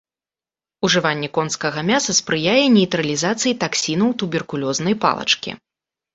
Ужыванне конскага мяса спрыяе нейтралізацыі таксінаў туберкулёзнай палачкі.